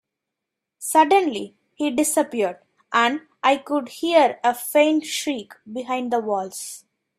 Suddenly, he disappeared, and I could hear a faint shriek behind the walls.